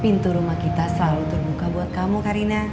pintu rumah kita selalu terbuka buat kamu kak rina